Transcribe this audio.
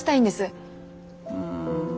うん。